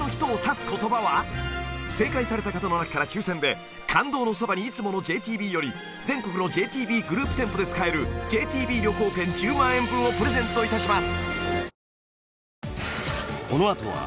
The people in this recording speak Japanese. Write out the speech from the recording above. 正解された方の中から抽選で「感動のそばに、いつも。」のＪＴＢより全国のＪＴＢグループ店舗で使えるＪＴＢ旅行券１０万円分をプレゼントいたします